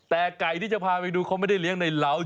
แต่ไก่ที่จะพาไปดูเขาไม่ได้เลี้ยงในเหล้า